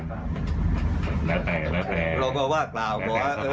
ปล่อยละครับ